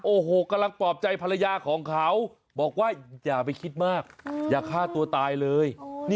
โอ้โหกำลังปลอบใจภรรยาของเขาบอกว่าอย่าไปคิดมากอย่าฆ่าตัวตายเลย